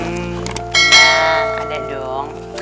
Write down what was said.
hmm nah ada dong